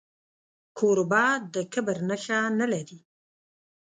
کوربه د کبر نښه نه لري.